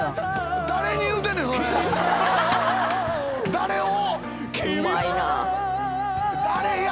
誰を？